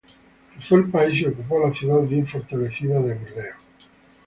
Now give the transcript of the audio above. Cruzó el país y ocupó la ciudad bien fortalecida de Burdeos.